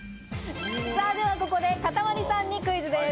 ではここで、かたまりさんにクイズです。